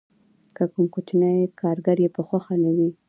که کوم کوچنی کارګر یې په خوښه نه وي